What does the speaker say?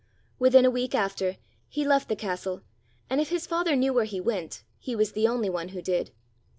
Within a week after, he left the castle, and if his father knew where he went, he was the only one who did.